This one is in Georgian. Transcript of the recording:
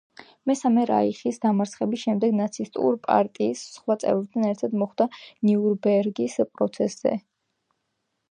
მესამე რაიხის დამარცხების შემდეგ ნაცისტური პარტიის სხვა წევრებთან ერთად მოხვდა ნიურნბერგის პროცესზე.